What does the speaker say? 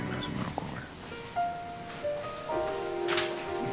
gak mau lagi